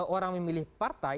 orang memilih partai